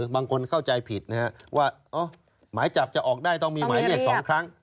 บางคนเข้าใจผิดนะครับว่าหมายจับจะออกได้ต้องมีหมายเรียก๒ครั้ง